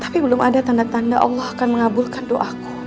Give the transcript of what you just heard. tapi belum ada tanda tanda allah akan mengabulkan doaku